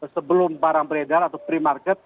sebelum barang beredar atau pre market